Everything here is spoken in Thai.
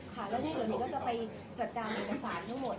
ค่ะแล้วหนึ่งหนึ่งก็จะไปจัดการเอกสารทั้งหมด